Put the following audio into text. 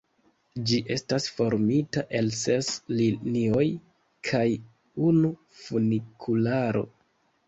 Ĝi estas formita el ses linioj kaj unu funikularo.